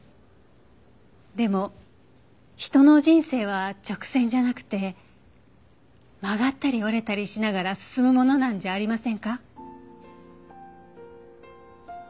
でも人の人生は直線じゃなくて曲がったり折れたりしながら進むものなんじゃありませんか？